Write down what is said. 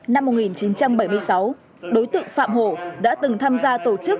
năm một nghìn chín trăm bảy mươi sáu đối tượng phạm hồ đã từng tham gia tổ chức